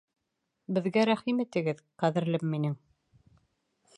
Беҙгә рәхим итегеҙ, ҡәҙерлем минең!